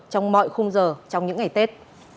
trong mọi khung giờ trong những ngày tết